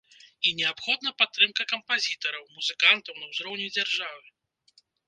І неабходна падтрымка кампазітараў, музыкантаў на ўзроўні дзяржавы.